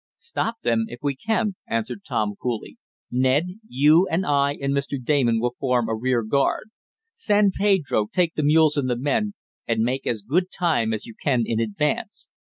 "Stop them if we can," answered Tom coolly. "Ned, you and I and Mr. Damon will form a rear guard. San Pedro, take the mules and the men, and make as good time as you can in advance.